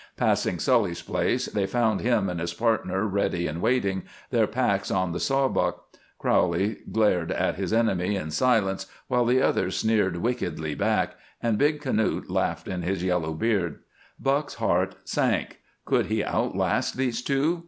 Passing Sully's place, they found him and his partner ready and waiting, their packs on the saw buck. Crowley glared at his enemy in silence while the other sneered wickedly back, and Big Knute laughed in his yellow beard. Buck's heart sank. Could he outlast these two?